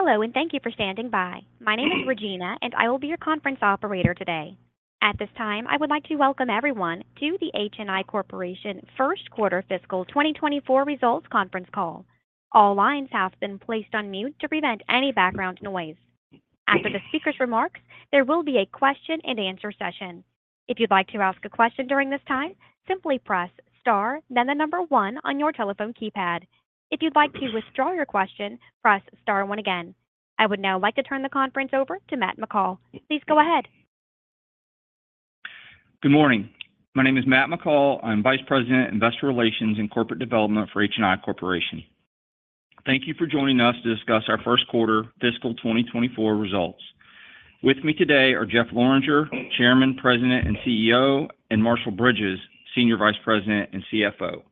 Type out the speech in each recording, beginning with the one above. Hello, and thank you for standing by. My name is Regina, and I will be your conference operator today. At this time, I would like to welcome everyone to the HNI Corporation First Quarter Fiscal 2024 Results Conference Call. All lines have been placed on mute to prevent any background noise. After the speaker's remarks, there will be a question-and-answer session. If you'd like to ask a question during this time, simply press star, then the number one one on your telephone keypad. If you'd like to withdraw your question, press star one again. I would now like to turn the conference over to Matt McCall. Please go ahead. Good morning. My name is Matt McCall. I'm Vice President, Investor Relations and Corporate Development for HNI Corporation. Thank you for joining us to discuss our first quarter fiscal 2024 results. With me today are Jeff Lorenger, Chairman, President, and CEO, and Marshall Bridges, Senior Vice President and CFO.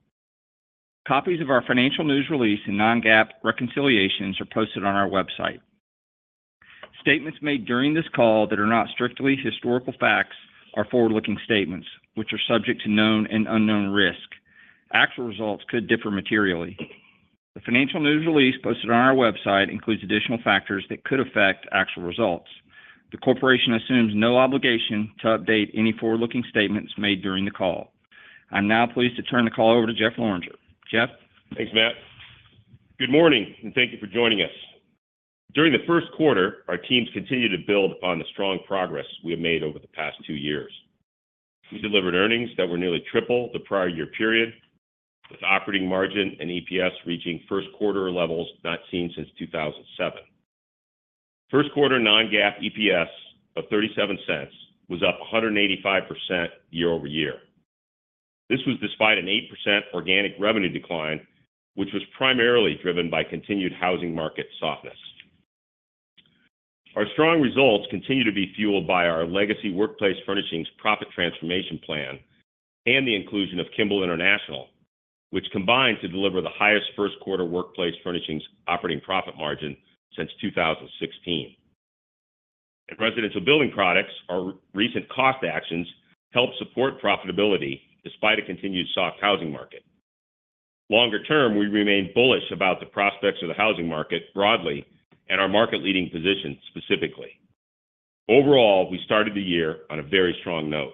Copies of our financial news release and Non-GAAP reconciliations are posted on our website. Statements made during this call that are not strictly historical facts are forward-looking statements, which are subject to known and unknown risk. Actual results could differ materially. The financial news release posted on our website includes additional factors that could affect actual results. The Corporation assumes no obligation to update any forward-looking statements made during the call. I'm now pleased to turn the call over to Jeff Lorenger. Jeff? Thanks, Matt. Good morning, and thank you for joining us. During the first quarter, our teams continued to build on the strong progress we have made over the past two years. We delivered earnings that were nearly triple the prior year period, with operating margin and EPS reaching first quarter levels not seen since 2007. First quarter non-GAAP EPS of $0.37 was up 185% year-over-year. This was despite an 8% organic revenue decline, which was primarily driven by continued housing market softness. Our strong results continue to be fueled by our legacy Workplace Furnishings profit transformation plan and the inclusion of Kimball International, which combined to deliver the highest first quarter Workplace Furnishings operating profit margin since 2016. In Residential Building Products, our recent cost actions helped support profitability despite a continued soft housing market. Longer term, we remain bullish about the prospects of the housing market broadly and our market-leading position specifically. Overall, we started the year on a very strong note.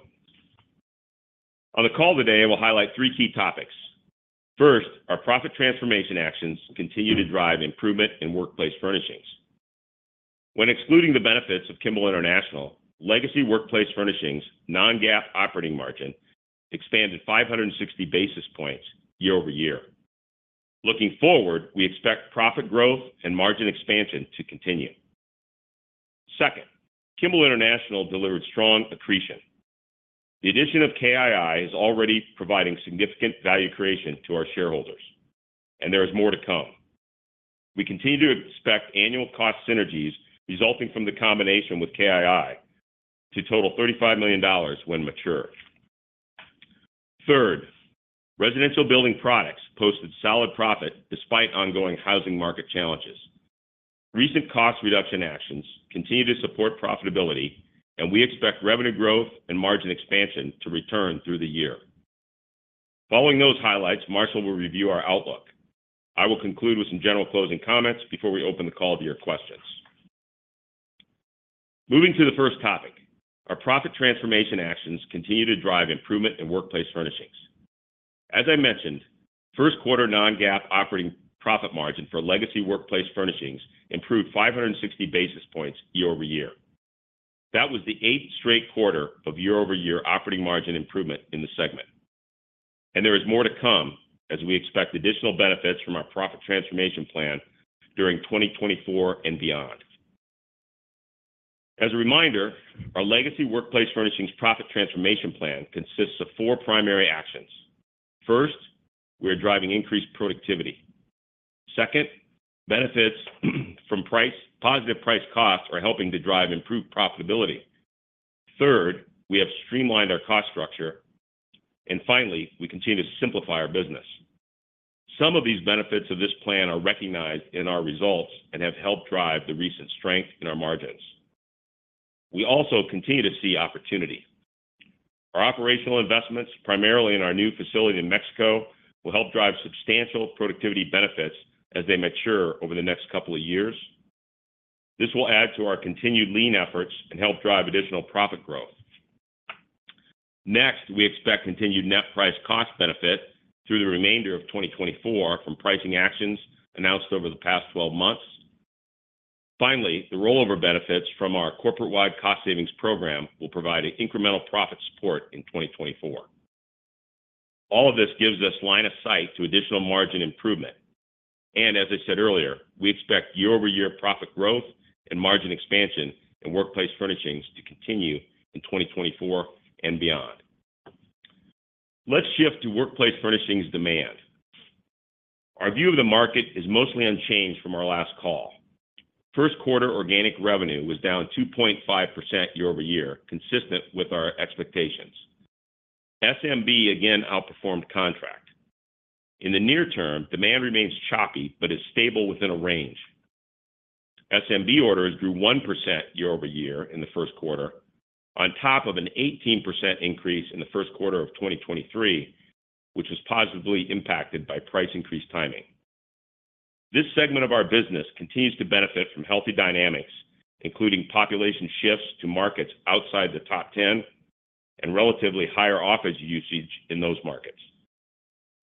On the call today, we'll highlight three key topics. First, our profit transformation actions continue to drive improvement in Workplace Furnishings. When excluding the benefits of Kimball International, legacy Workplace Furnishings non-GAAP operating margin expanded 560 basis points year-over-year. Looking forward, we expect profit growth and margin expansion to continue. Second, Kimball International delivered strong accretion. The addition of KII is already providing significant value creation to our shareholders, and there is more to come. We continue to expect annual cost synergies resulting from the combination with KII to total $35 million when mature. Third, Residential Building Products posted solid profit despite ongoing housing market challenges. Recent cost reduction actions continue to support profitability, and we expect revenue growth and margin expansion to return through the year. Following those highlights, Marshall will review our outlook. I will conclude with some general closing comments before we open the call to your questions. Moving to the first topic, our profit transformation actions continue to drive improvement in Workplace Furnishings. As I mentioned, first quarter non-GAAP operating profit margin for legacy Workplace Furnishings improved 560 basis points year over year. That was the eighth straight quarter of year-over-year operating margin improvement in the segment. And there is more to come as we expect additional benefits from our profit transformation plan during 2024 and beyond. As a reminder, our legacy Workplace Furnishings profit transformation plan consists of four primary actions. First, we are driving increased productivity. Second, benefits from price. Positive price costs are helping to drive improved profitability. Third, we have streamlined our cost structure. And finally, we continue to simplify our business. Some of these benefits of this plan are recognized in our results and have helped drive the recent strength in our margins. We also continue to see opportunity. Our operational investments, primarily in our new facility in Mexico, will help drive substantial productivity benefits as they mature over the next couple of years. This will add to our continued lean efforts and help drive additional profit growth. Next, we expect continued net price cost benefit through the remainder of 2024 from pricing actions announced over the past 12 months. Finally, the rollover benefits from our corporate-wide cost savings program will provide an incremental profit support in 2024. All of this gives us line of sight to additional margin improvement. As I said earlier, we expect year-over-year profit growth and margin expansion in Workplace Furnishings to continue in 2024 and beyond. Let's shift to Workplace Furnishings demand. Our view of the market is mostly unchanged from our last call. First quarter organic revenue was down 2.5% year-over-year, consistent with our expectations. SMB again outperformed contract. In the near term, demand remains choppy but is stable within a range. SMB orders grew 1% year-over-year in the first quarter, on top of an 18% increase in the first quarter of 2023, which was positively impacted by price increase timing. This segment of our business continues to benefit from healthy dynamics, including population shifts to markets outside the top ten, and relatively higher office usage in those markets.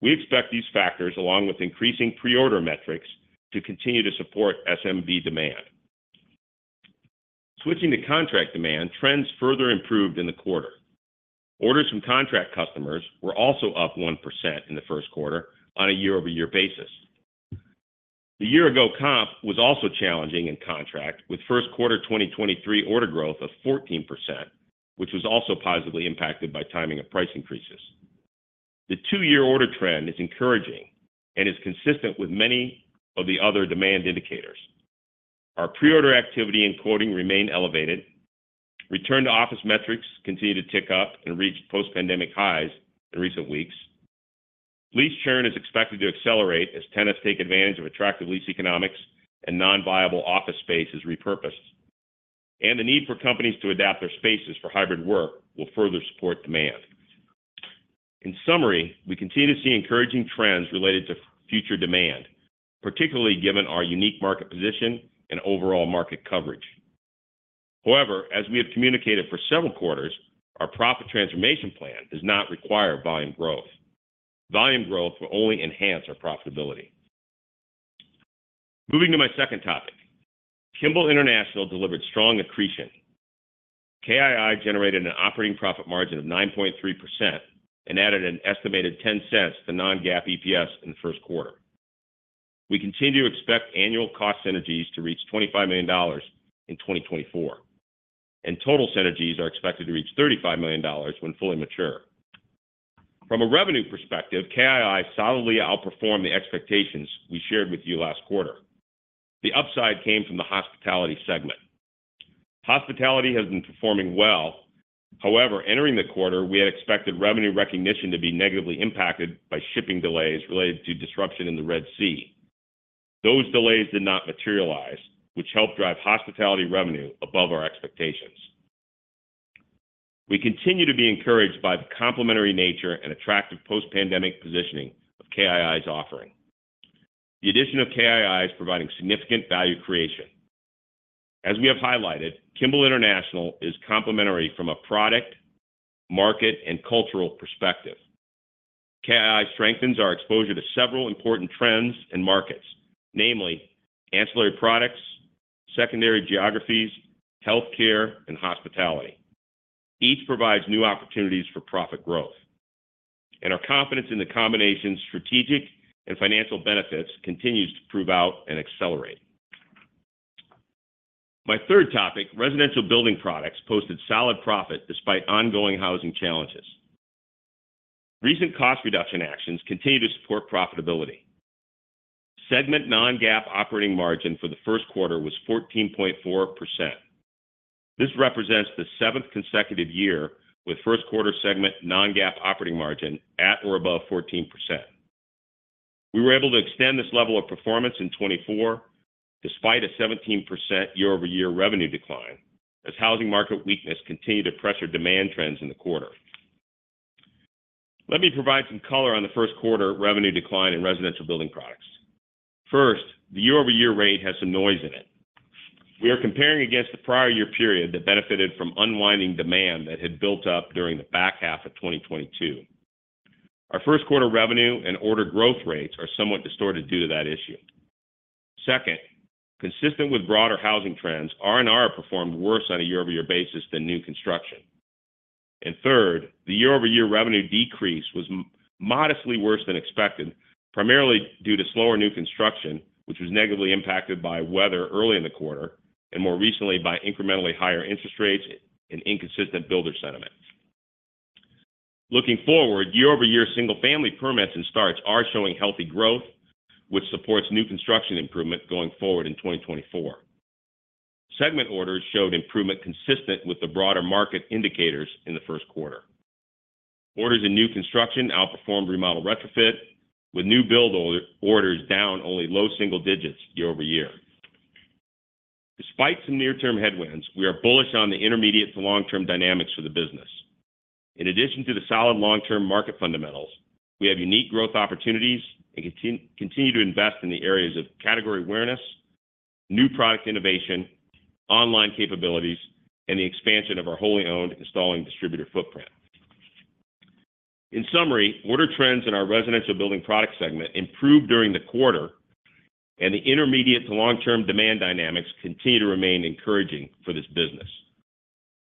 We expect these factors, along with increasing pre-order metrics, to continue to support SMB demand. Switching to contract demand, trends further improved in the quarter. Orders from contract customers were also up 1% in the first quarter on a year-over-year basis. The year-ago comp was also challenging in contract, with first quarter 2023 order growth of 14%, which was also positively impacted by timing of price increases. The two-year order trend is encouraging and is consistent with many of the other demand indicators. Our pre-order activity and quoting remain elevated. Return-to-office metrics continue to tick up and reach post-pandemic highs in recent weeks. Lease churn is expected to accelerate as tenants take advantage of attractive lease economics and non-viable office space is repurposed. The need for companies to adapt their spaces for hybrid work will further support demand. In summary, we continue to see encouraging trends related to future demand, particularly given our unique market position and overall market coverage. However, as we have communicated for several quarters, our profit transformation plan does not require volume growth. Volume growth will only enhance our profitability. Moving to my second topic, Kimball International delivered strong accretion. KII generated an operating profit margin of 9.3% and added an estimated $0.10 to non-GAAP EPS in the first quarter. We continue to expect annual cost synergies to reach $25 million in 2024, and total synergies are expected to reach $35 million when fully mature. From a revenue perspective, KII solidly outperformed the expectations we shared with you last quarter. The upside came from the hospitality segment. Hospitality has been performing well. However, entering the quarter, we had expected revenue recognition to be negatively impacted by shipping delays related to disruption in the Red Sea. Those delays did not materialize, which helped drive hospitality revenue above our expectations. We continue to be encouraged by the complementary nature and attractive post-pandemic positioning of KII's offering. The addition of KII is providing significant value creation. As we have highlighted, Kimball International is complementary from a product, market, and cultural perspective. KII strengthens our exposure to several important trends and markets, namely ancillary products, secondary geographies, healthcare, and hospitality. Each provides new opportunities for profit growth, and our confidence in the combination's strategic and financial benefits continues to prove out and accelerate. My third topic, residential building products, posted solid profit despite ongoing housing challenges. Recent cost reduction actions continue to support profitability. Segment non-GAAP operating margin for the first quarter was 14.4%. This represents the seventh consecutive year with first quarter segment non-GAAP operating margin at or above 14%. We were able to extend this level of performance in 2024, despite a 17% year-over-year revenue decline, as housing market weakness continued to pressure demand trends in the quarter. Let me provide some color on the first quarter revenue decline in residential building products. First, the year-over-year rate has some noise in it. We are comparing against the prior year period that benefited from unwinding demand that had built up during the back half of 2022. Our first quarter revenue and order growth rates are somewhat distorted due to that issue. Second, consistent with broader housing trends, R&R performed worse on a year-over-year basis than new construction. Third, the year-over-year revenue decrease was modestly worse than expected, primarily due to slower new construction, which was negatively impacted by weather early in the quarter, and more recently by incrementally higher interest rates and inconsistent builder sentiment. Looking forward, year-over-year single family permits and starts are showing healthy growth, which supports new construction improvement going forward in 2024. Segment orders showed improvement consistent with the broader market indicators in the first quarter. Orders in new construction outperformed remodel retrofit, with new build orders down only low single digits year-over-year. Despite some near-term headwinds, we are bullish on the intermediate to long-term dynamics for the business. In addition to the solid long-term market fundamentals, we have unique growth opportunities and continue to invest in the areas of category awareness, new product innovation, online capabilities, and the expansion of our wholly owned installing distributor footprint. In summary, order trends in our residential building product segment improved during the quarter, and the intermediate to long-term demand dynamics continue to remain encouraging for this business.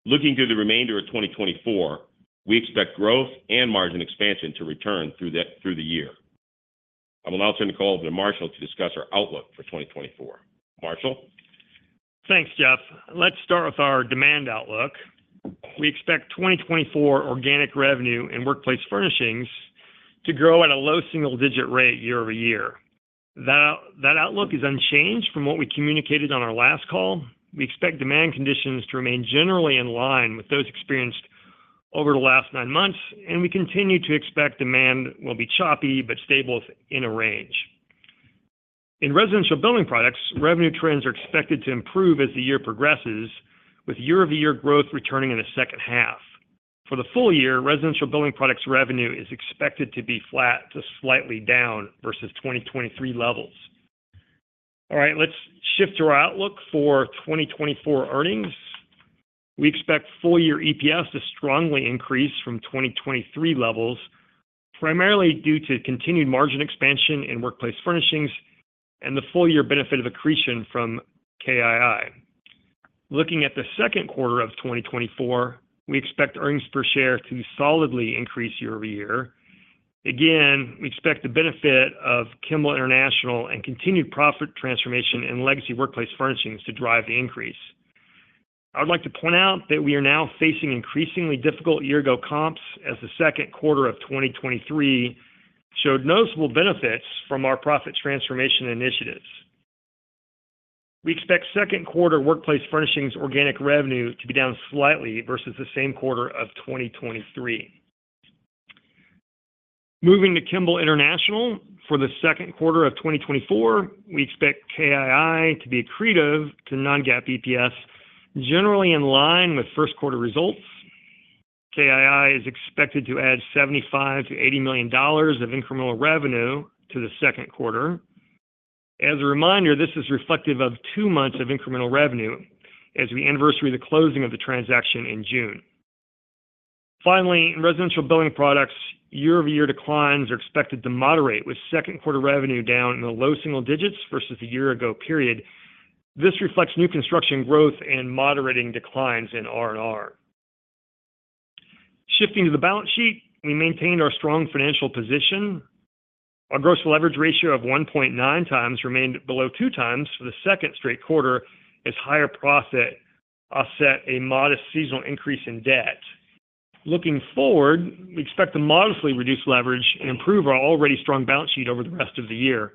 Looking through the remainder of 2024, we expect growth and margin expansion to return through the year. I will now turn the call over to Marshall to discuss our outlook for 2024. Marshall? Thanks, Jeff. Let's start with our demand outlook. We expect 2024 organic revenue and workplace furnishings to grow at a low single-digit rate year-over-year. That outlook is unchanged from what we communicated on our last call. We expect demand conditions to remain generally in line with those experienced over the last 9 months, and we continue to expect demand will be choppy but stable in a range... In Residential Building Products, revenue trends are expected to improve as the year progresses, with year-over-year growth returning in the second half. For the full year, Residential Building Products revenue is expected to be flat to slightly down versus 2023 levels. All right, let's shift to our outlook for 2024 earnings. We expect full-year EPS to strongly increase from 2023 levels, primarily due to continued margin expansion in Workplace Furnishings and the full-year benefit of accretion from KII. Looking at the second quarter of 2024, we expect earnings per share to solidly increase year-over-year. Again, we expect the benefit of Kimball International and continued profit transformation in legacy Workplace Furnishings to drive the increase. I would like to point out that we are now facing increasingly difficult year-ago comps, as the second quarter of 2023 showed noticeable benefits from our profit transformation initiatives. We expect second quarter Workplace Furnishings organic revenue to be down slightly versus the same quarter of 2023. Moving to Kimball International. For the second quarter of 2024, we expect KII to be accretive to non-GAAP EPS, generally in line with first quarter results. KII is expected to add $75 million-$80 million of incremental revenue to the second quarter. As a reminder, this is reflective of two months of incremental revenue as we anniversary the closing of the transaction in June. Finally, in Residential Building Products, year-over-year declines are expected to moderate, with second quarter revenue down in the low single digits versus the year ago period. This reflects new construction growth and moderating declines in R&R. Shifting to the balance sheet, we maintained our strong financial position. Our gross leverage ratio of 1.9 times remained below 2 times for the second straight quarter, as higher profit offset a modest seasonal increase in debt. Looking forward, we expect to modestly reduce leverage and improve our already strong balance sheet over the rest of the year.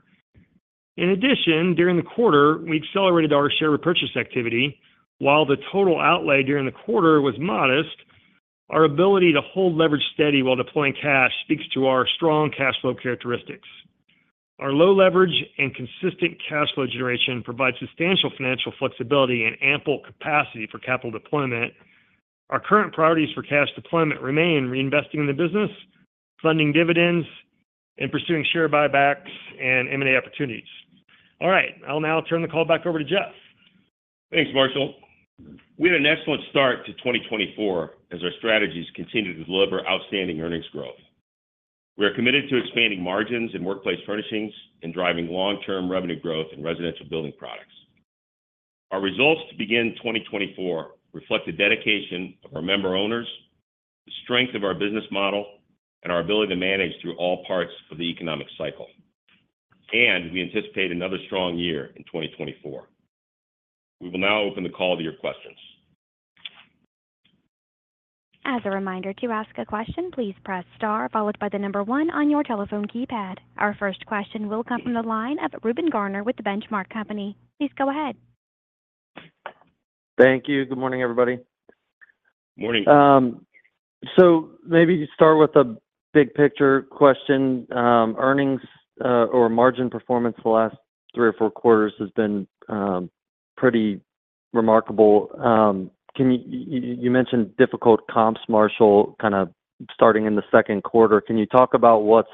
In addition, during the quarter, we accelerated our share repurchase activity. While the total outlay during the quarter was modest, our ability to hold leverage steady while deploying cash speaks to our strong cash flow characteristics. Our low leverage and consistent cash flow generation provide substantial financial flexibility and ample capacity for capital deployment. Our current priorities for cash deployment remain: reinvesting in the business, funding dividends, and pursuing share buybacks and M&A opportunities. All right, I'll now turn the call back over to Jeff. Thanks, Marshall. We had an excellent start to 2024 as our strategies continue to deliver outstanding earnings growth. We are committed to expanding margins in Workplace Furnishings and driving long-term revenue growth in Residential Building Products. Our results to begin 2024 reflect the dedication of our member-owners, the strength of our business model, and our ability to manage through all parts of the economic cycle. We anticipate another strong year in 2024. We will now open the call to your questions. As a reminder, to ask a question, please press Star, followed by the number one on your telephone keypad. Our first question will come from the line of Reuben Garner with the Benchmark Company. Please go ahead. Thank you. Good morning, everybody. Morning. So maybe start with a big picture question. Earnings or margin performance the last three or four quarters has been pretty remarkable. Can you, you mentioned difficult comps, Marshall, kind of starting in the second quarter. Can you talk about what's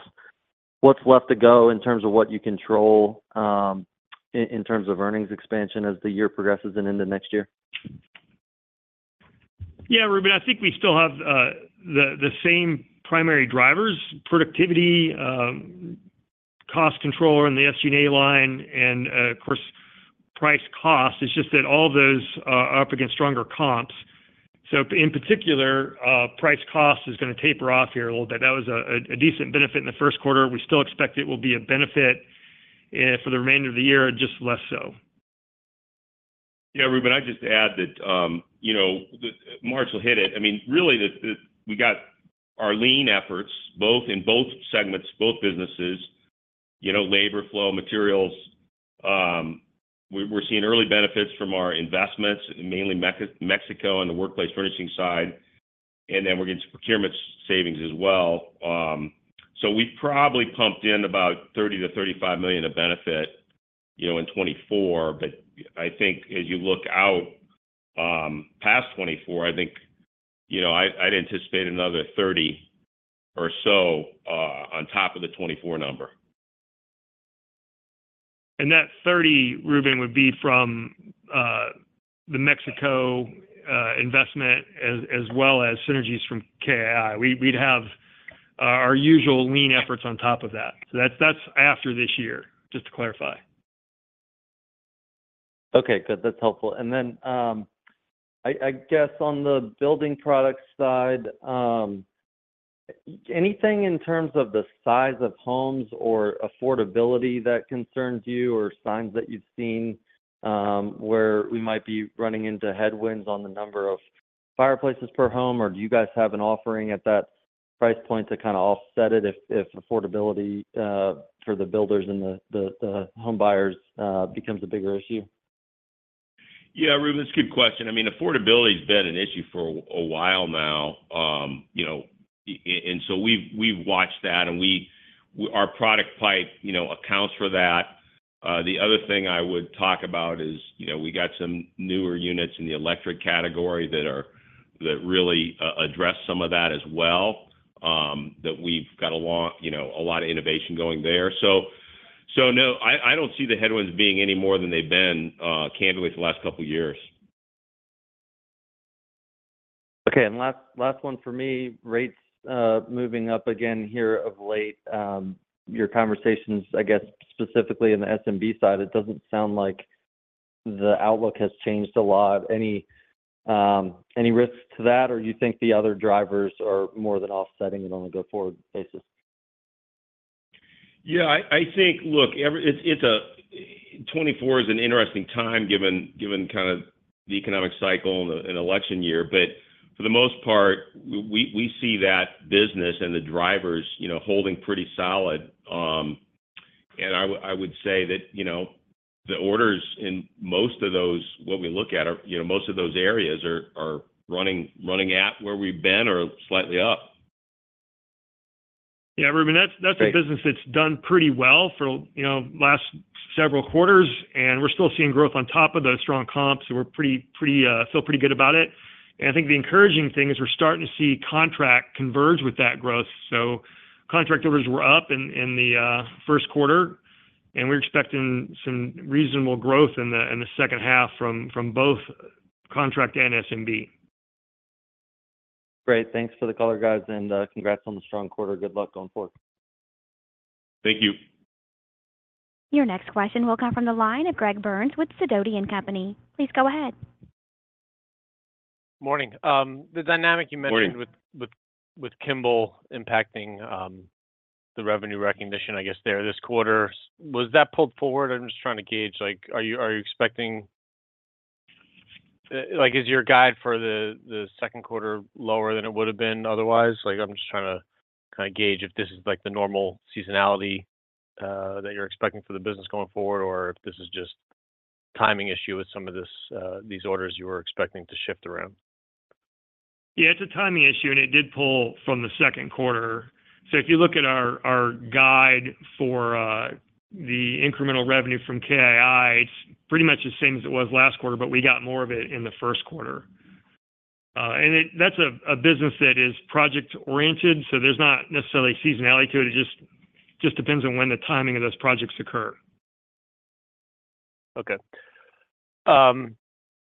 left to go in terms of what you control, in terms of earnings expansion as the year progresses and into next year? Yeah, Reuben, I think we still have the same primary drivers: productivity, cost control in the SG&A line, and, of course, price cost. It's just that all those are up against stronger comps. So in particular, price cost is going to taper off here a little bit. That was a decent benefit in the first quarter. We still expect it will be a benefit, for the remainder of the year, just less so. Yeah, Reuben, I'd just add that, you know, the Marshall hit it. I mean, really, we got our lean efforts, both in both segments, both businesses, you know, labor, flow, materials. We're seeing early benefits from our investments, mainly Mexico and the workplace furnishings side, and then we're getting some procurement savings as well. So we've probably pumped in about $30-$35 million of benefit, you know, in 2024. But I think as you look out, past 2024, I think, you know, I'd anticipate another $30 million or so on top of the 2024 number. That 30, Reuben, would be from the Mexico investment, as well as synergies from KII. We'd have our usual lean efforts on top of that. That's after this year, just to clarify. Okay, good. That's helpful. And then, I guess on the building products side, anything in terms of the size of homes or affordability that concerns you, or signs that you've seen, where we might be running into headwinds on the number of fireplaces per home? Or do you guys have an offering at that price point to kind of offset it if affordability for the builders and the home buyers becomes a bigger issue?... Yeah, Reuben, it's a good question. I mean, affordability's been an issue for a while now, you know, and so we've watched that, and our product pipe, you know, accounts for that. The other thing I would talk about is, you know, we got some newer units in the electric category that really address some of that as well, that we've got a lot of innovation going there. So, no, I don't see the headwinds being any more than they've been, candidly for the last couple of years. Okay, and last, last one for me. Rates moving up again here of late, your conversations, I guess, specifically in the SMB side, it doesn't sound like the outlook has changed a lot. Any, any risks to that, or you think the other drivers are more than offsetting it on a go-forward basis? Yeah, I think, look, 2024 is an interesting time, given kind of the economic cycle and election year. But for the most part, we see that business and the drivers, you know, holding pretty solid. And I would say that, you know, the orders in most of those, what we look at are, you know, most of those areas are running at where we've been or slightly up. Yeah, Reuben, that's, that's- Great. A business that's done pretty well for, you know, last several quarters, and we're still seeing growth on top of the strong comps, so we feel pretty good about it. And I think the encouraging thing is we're starting to see contract converge with that growth. So contract orders were up in the first quarter, and we're expecting some reasonable growth in the second half from both contract and SMB. Great. Thanks for the color, guys, and congrats on the strong quarter. Good luck going forward. Thank you. Your next question will come from the line of Greg Burns with Sidoti & Company. Please go ahead. Morning. The dynamic you mentioned- Morning .With Kimball impacting the revenue recognition, I guess, there this quarter, was that pulled forward? I'm just trying to gauge, like, are you expecting— Like, is your guide for the second quarter lower than it would've been otherwise? Like, I'm just trying to kind of gauge if this is, like, the normal seasonality that you're expecting for the business going forward or if this is just timing issue with some of this these orders you were expecting to shift around. Yeah, it's a timing issue, and it did pull from the second quarter. So if you look at our guide for the incremental revenue from KII, it's pretty much the same as it was last quarter, but we got more of it in the first quarter. And it's a business that is project-oriented, so there's not necessarily seasonality to it. It just depends on when the timing of those projects occur. Okay.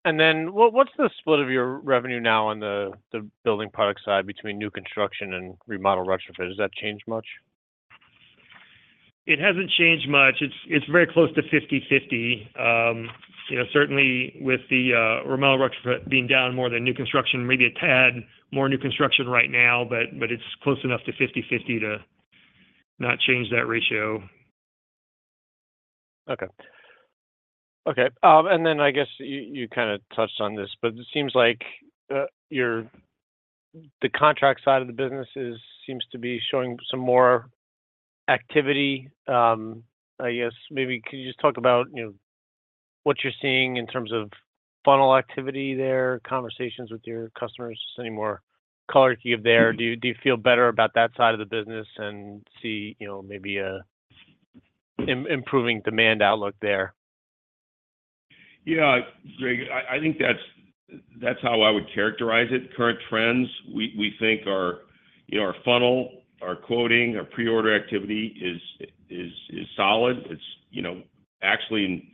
And then what, what's the split of your revenue now on the, the building product side between new construction and remodel retrofits? Has that changed much? It hasn't changed much. It's, it's very close to 50/50. You know, certainly with the remodel retrofit being down more than new construction, maybe a tad more new construction right now, but, but it's close enough to 50/50 to not change that ratio. Okay. Okay, and then I guess you, you kinda touched on this, but it seems like your, the contract side of the business is, seems to be showing some more activity. I guess maybe could you just talk about, you know, what you're seeing in terms of funnel activity there, conversations with your customers, any more color can you give there? Do you, do you feel better about that side of the business and see, you know, maybe an improving demand outlook there? Yeah, Greg, I think that's how I would characterize it. Current trends, we think our, you know, our funnel, our quoting, our pre-order activity is solid. It's, you know, actually,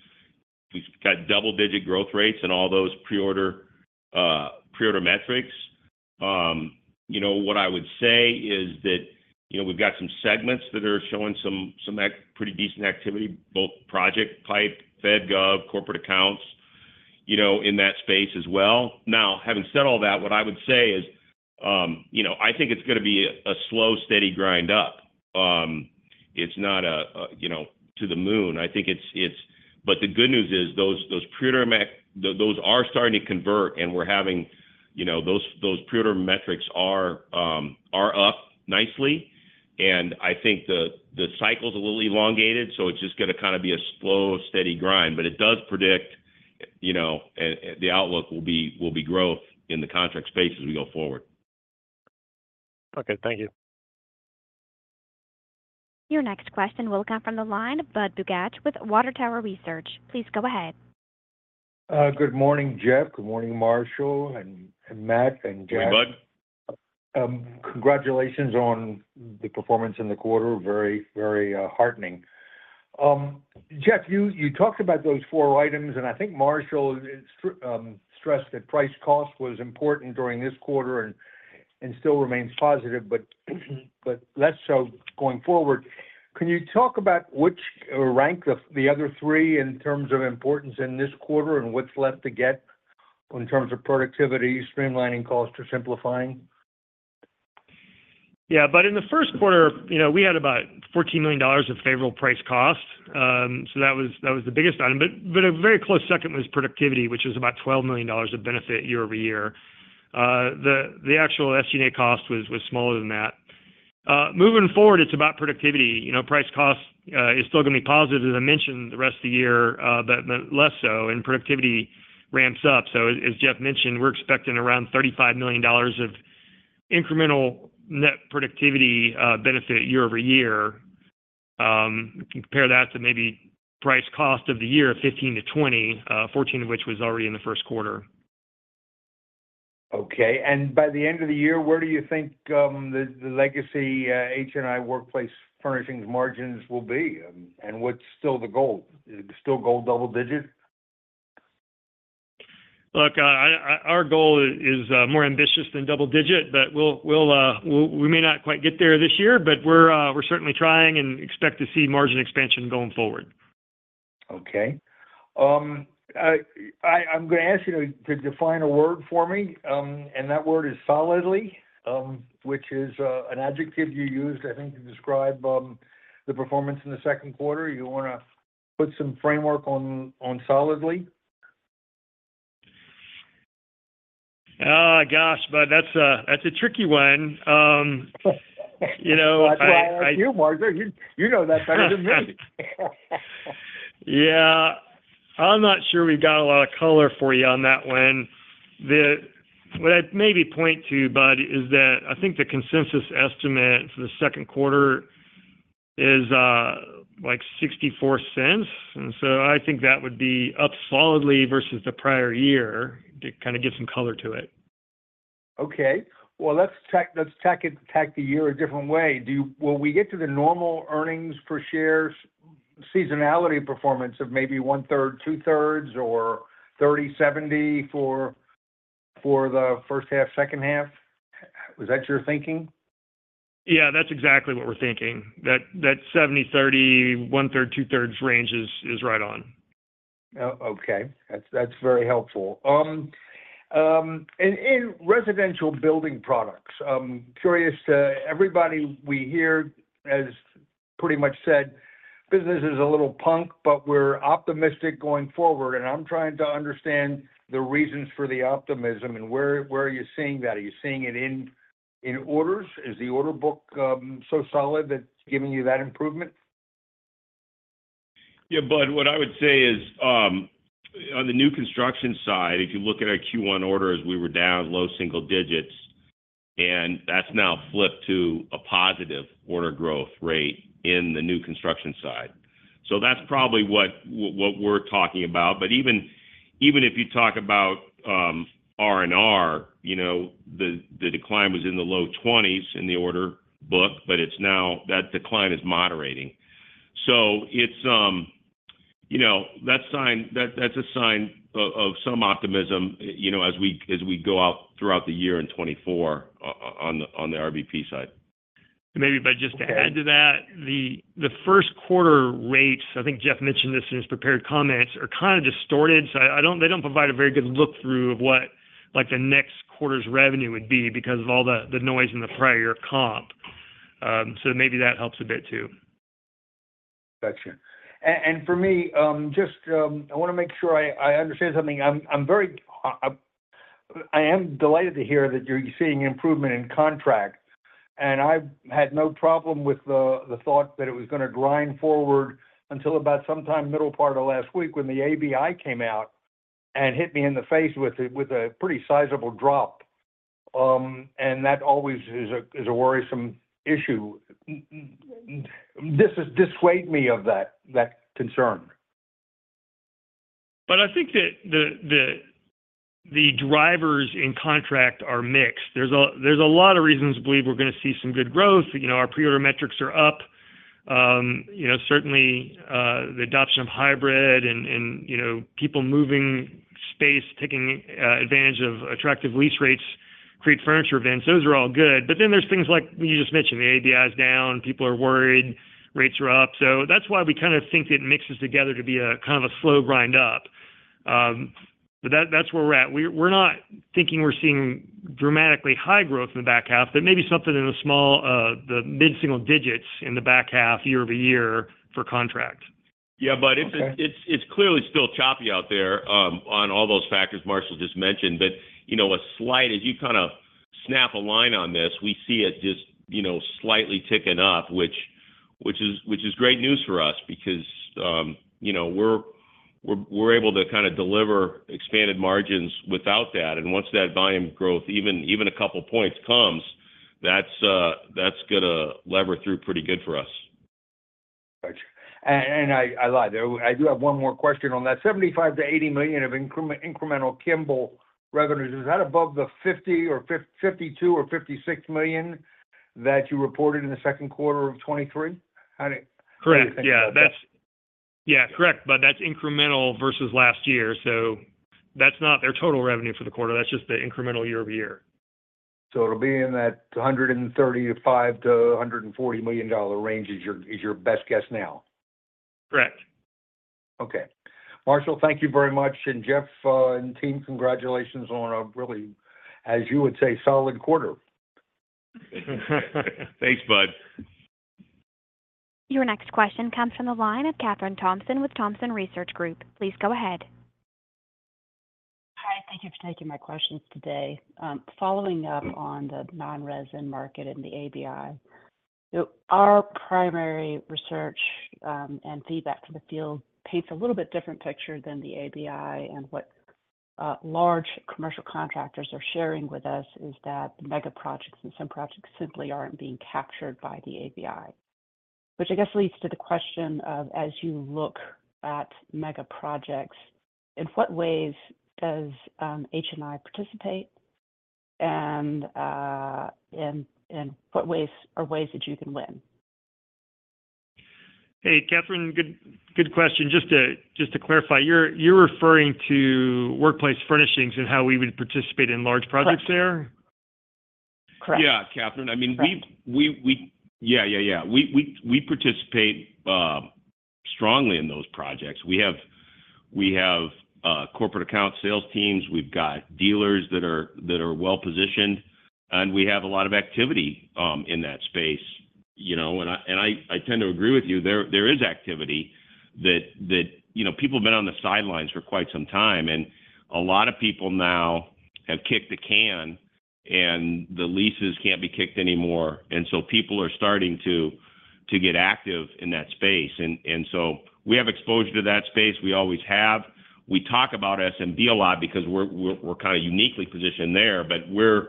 we've got double-digit growth rates in all those pre-order metrics. You know, what I would say is that, you know, we've got some segments that are showing some pretty decent activity, both project pipe, Fed, Gov, corporate accounts, you know, in that space as well. Now, having said all that, what I would say is, you know, I think it's gonna be a slow, steady grind up. It's not a, you know, to the moon. I think it's, but the good news is, those pre-orders are starting to convert, and we're having, you know, those pre-order metrics are up nicely. And I think the cycle's a little elongated, so it's just gonna kind of be a slow, steady grind. But it does predict, you know, the outlook will be growth in the contract space as we go forward. Okay, thank you. Your next question will come from the line of Bud Bugatch with Water Tower Research. Please go ahead. Good morning, Jeff. Good morning, Marshall, and Matt and Jack. Good morning, Bud. Congratulations on the performance in the quarter. Very, very, heartening. Jeff, you talked about those four items, and I think Marshall stressed that price cost was important during this quarter and still remains positive, but less so going forward. Can you talk about which rank of the other three in terms of importance in this quarter and what's left to get in terms of productivity, streamlining costs to simplifying? Yeah, Bud, in the first quarter, you know, we had about $14 million of favorable price cost. So that was the biggest item. But a very close second was productivity, which is about $12 million of benefit year-over-year. The actual SG&A cost was smaller than that. Moving forward, it's about productivity. You know, price cost is still gonna be positive, as I mentioned, the rest of the year, but less so, and productivity ramps up. So as Jeff mentioned, we're expecting around $35 million of incremental net productivity benefit year-over-year. Compare that to maybe price cost of the year, $15million-$20 million, $14 million of which was already in the first quarter. Okay, and by the end of the year, where do you think the legacy HNI Workplace Furnishings margins will be? And what's still the goal? Is the still goal double digit? Look, our goal is more ambitious than double digit, but we may not quite get there this year, but we're certainly trying and expect to see margin expansion going forward. Okay. I'm gonna ask you to define a word for me, and that word is solidly, which is an adjective you used, I think, to describe the performance in the second quarter. You wanna put some framework on solidly? Gosh, Bud, that's a, that's a tricky one. You know, I- That's why I asked you, Marshall. You, you know that better than me. Yeah. I'm not sure we've got a lot of color for you on that one. The—what I'd maybe point to, Bud, is that I think the consensus estimate for the second quarter is like $0.64, and so I think that would be up solidly versus the prior year. To kinda give some color to it. Okay. Well, let's check the year a different way. Will we get to the normal earnings per shares seasonality performance of maybe one third, two thirds, or 30/70 for the first half, second half? Was that your thinking? Yeah, that's exactly what we're thinking. That, that 70-30, 1/3, 2/3 range is, is right on. Oh, okay. That's very helpful. In residential building products, curious, everybody we hear has pretty much said, "Business is a little punk, but we're optimistic going forward." And I'm trying to understand the reasons for the optimism, and where are you seeing that? Are you seeing it in orders? Is the order book so solid that it's giving you that improvement? Yeah, Bud, what I would say is, on the new construction side, if you look at our Q1 orders, we were down low single digits, and that's now flipped to a positive order growth rate in the new construction side. So that's probably what we're talking about, but even if you talk about R&R, you know, the decline was in the low twenties in the order book, but it's now that decline is moderating. So it's, you know, that's a sign of some optimism, you know, as we go out throughout the year in 2024 on the RBP side. Maybe, Bud, just to add to that, the first quarter rates, I think Jeff mentioned this in his prepared comments, are kind of distorted, so I don't-- they don't provide a very good look through of what, like, the next quarter's revenue would be because of all the noise in the prior comp. So maybe that helps a bit too. Gotcha. And for me, just, I wanna make sure I understand something. I'm very delighted to hear that you're seeing improvement in contracts, and I've had no problem with the thought that it was gonna grind forward until about sometime middle part of last week, when the ABI came out and hit me in the face with a pretty sizable drop. And that always is a worrisome issue. Dissuade me of that concern. But I think that the drivers in contract are mixed. There's a lot of reasons to believe we're gonna see some good growth. You know, our pre-order metrics are up. You know, certainly, the adoption of hybrid and, you know, people moving space, taking advantage of attractive lease rates, create furniture events, those are all good. But then there's things like you just mentioned, the ABI is down, people are worried, rates are up. So that's why we kind of think it mixes together to be a, kind of a slow grind up. But that, that's where we're at. We're not thinking we're seeing dramatically high growth in the back half, but maybe something in the small, the mid-single digits in the back half, year over year, for contracts. Yeah, Bud Okay... it's clearly still choppy out there on all those factors Marshall just mentioned, but you know, as you kind of snap a line on this, we see it just you know, slightly ticking up, which is great news for us because you know, we're able to kind of deliver expanded margins without that, and once that volume growth, even a couple points comes, that's gonna lever through pretty good for us. Gotcha. And I lied, I do have one more question on that. $75million-$80 million of incremental Kimball revenues, is that above the $50 million or $52 million or $56 million that you reported in the second quarter of 2023? How do- Correct. How do you think about that? Yeah, that's correct. But that's incremental versus last year, so that's not their total revenue for the quarter. That's just the incremental year over year. It'll be in that $135 million-$140 million range is your best guess now? Correct. Okay. Marshall, thank you very much, and Jeff, and team, congratulations on a really, as you would say, solid quarter. Thanks, Bud. Your next question comes from the line of Kathryn Thompson with Thompson Research Group. Please go ahead.... Thank you for taking my questions today. Following up on the non-res end market and the ABI, so our primary research, and feedback from the field paints a little bit different picture than the ABI. And what large commercial contractors are sharing with us is that the mega projects and some projects simply aren't being captured by the ABI. Which I guess leads to the question of, as you look at mega projects, in what ways does HNI participate, and what ways are ways that you can win? Hey, Kathryn, good, good question. Just to, just to clarify, you're, you're referring to workplace furnishings and how we would participate in large projects there? Correct. Yeah, Kathryn, I mean, we-- Yeah, yeah, yeah. We participate strongly in those projects. We have corporate account sales teams. We've got dealers that are well-positioned, and we have a lot of activity in that space. You know, and I tend to agree with you. There is activity that you know, people have been on the sidelines for quite some time, and a lot of people now have kicked the can, and the leases can't be kicked anymore. And so people are starting to get active in that space. And so we have exposure to that space. We always have. We talk about SMB a lot because we're uniquely positioned there, but we're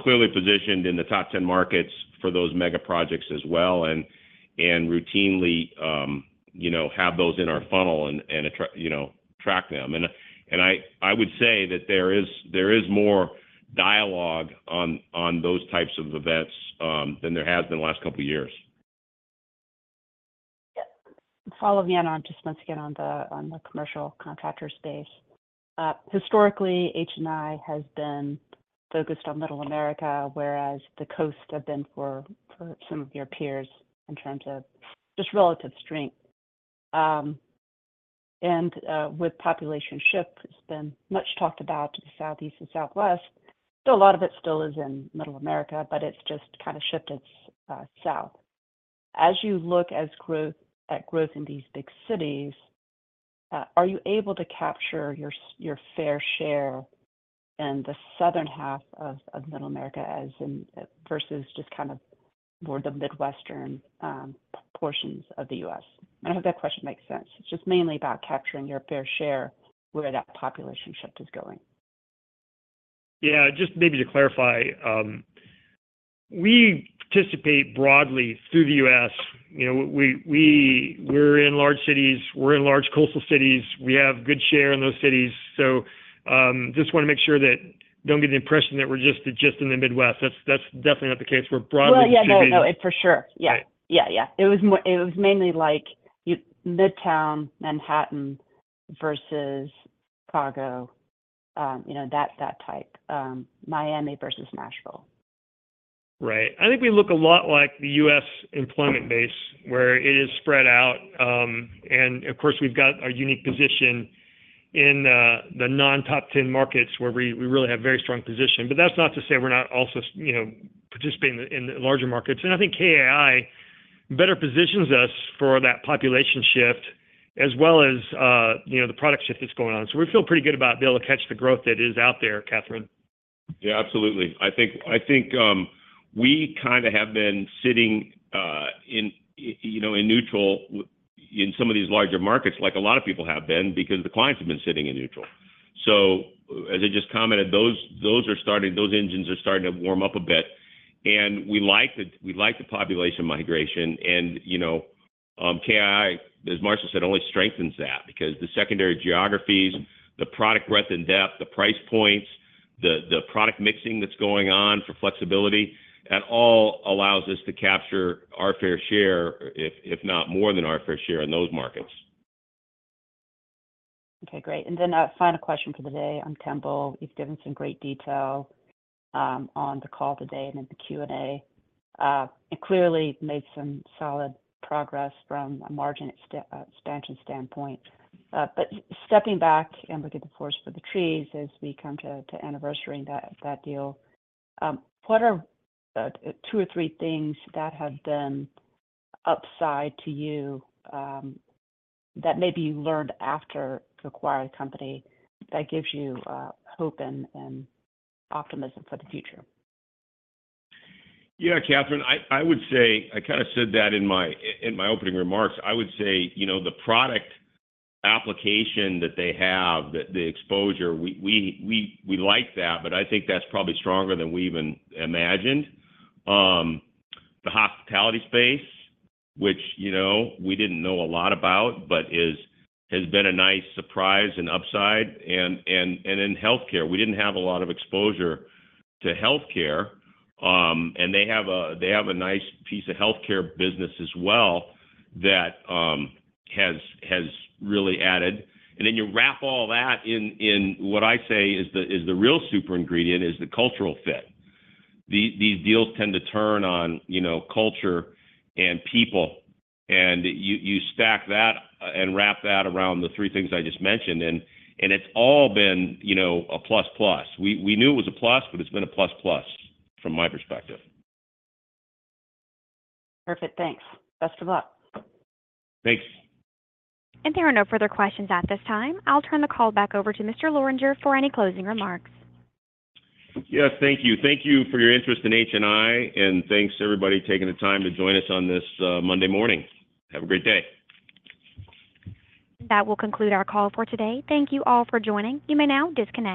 clearly positioned in the top 10 markets for those mega projects as well, and routinely you know have those in our funnel and attract you know track them. And I would say that there is more dialogue on those types of events than there has been in the last couple of years. Yeah. Follow up on, just once again, on the commercial contractor space. Historically, HNI has been focused on Middle America, whereas the coasts have been for some of your peers in terms of just relative strength. With population shift, it's been much talked about to the Southeast and Southwest, so a lot of it still is in Middle America, but it's just kinda shifted south. As you look at growth in these big cities, are you able to capture your fair share in the southern half of Middle America as in versus just kind of more the Midwestern portions of the U.S.? I don't know if that question makes sense. It's just mainly about capturing your fair share where that population shift is going. Yeah, just maybe to clarify, we participate broadly through the U.S. You know, we, we, we're in large cities, we're in large coastal cities. We have good share in those cities. So, just want to make sure that don't get the impression that we're just, just in the Midwest. That's, that's definitely not the case. We're broadly distributed- Well, yeah. No, for sure. Yeah. Right. Yeah, yeah. It was more, it was mainly like you... Midtown Manhattan versus Chicago, you know, that, that type, Miami versus. Right. I think we look a lot like the U.S. employment base, where it is spread out, and of course, we've got a unique position in, the non-top ten markets where we really have very strong position. But that's not to say we're not also, you know, participating in the larger markets. And I think KII better positions us for that population shift as well as, you know, the product shift that's going on. So we feel pretty good about being able to catch the growth that is out there, Catherine. Yeah, absolutely. I think, I think, we kinda have been sitting, in, you know, in neutral in some of these larger markets, like a lot of people have been, because the clients have been sitting in neutral. So as I just commented, those, those are starting, those engines are starting to warm up a bit, and we like the, we like the population migration, and, you know, KII, as Marshall said, only strengthens that because the secondary geographies, the product breadth and depth, the price points, the, the product mixing that's going on for flexibility, that all allows us to capture our fair share, if, if not more than our fair share in those markets. Okay, great. Then a final question for the day on Kimball. You've given some great detail on the call today and in the Q&A. It clearly made some solid progress from a margin expansion standpoint. But stepping back and looking at the forest for the trees as we come to anniversarying that deal, what are two or three things that have been upside to you that maybe you learned after you acquired the company that gives you hope and optimism for the future? Yeah, Kathryn, I would say... I kinda said that in my opening remarks. I would say, you know, the product application that they have, the exposure, we like that, but I think that's probably stronger than we even imagined. The hospitality space, which, you know, we didn't know a lot about, but has been a nice surprise and upside. And in healthcare, we didn't have a lot of exposure to healthcare, and they have a nice piece of healthcare business as well that has really added. And then you wrap all that in what I say is the real super ingredient, the cultural fit. These deals tend to turn on, you know, culture and people, and you stack that and wrap that around the three things I just mentioned, and it's all been, you know, a plus plus. We knew it was a plus, but it's been a plus plus from my perspective. Perfect. Thanks. Best of luck. Thanks. There are no further questions at this time. I'll turn the call back over to Mr. Lorenger for any closing remarks. Yes, thank you. Thank you for your interest in HNI, and thanks to everybody taking the time to join us on this Monday morning. Have a great day. That will conclude our call for today. Thank you all for joining. You may now disconnect.